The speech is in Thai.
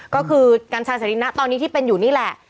ก็คือกัญชาเสรีนะตอนนี้ที่เป็นอยู่นี่แหละ